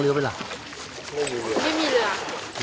อยู่ในก้นย